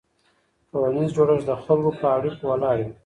ټولنیز جوړښت د خلکو په اړیکو ولاړ وي.